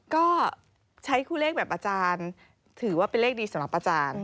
ก็ใช้คู่เลขแบบอาจารย์ถือว่าเป็นเลขดีสำหรับอาจารย์